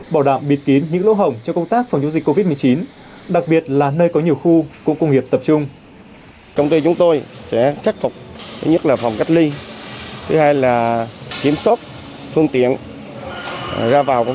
bảo đảm bịt kín những lỗ hổng cho công tác phòng chống dịch covid một mươi chín đặc biệt là nơi có nhiều khu công nghiệp tập trung